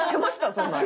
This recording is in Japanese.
そんなん。